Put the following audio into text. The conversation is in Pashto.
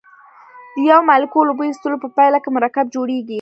د یو مالیکول اوبو ایستلو په پایله کې مرکب جوړیږي.